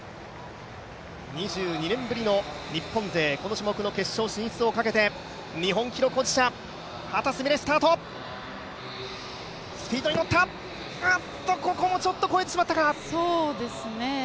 ２２年ぶりの日本勢、この種目の決勝進出をかけて、日本記録保持者、秦澄美鈴スタート、スピードに乗った、ここも超えてしまったか。